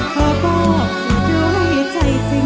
ขอบคุณด้วยใจจริง